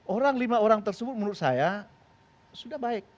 orang lima orang tersebut menurut saya sudah baik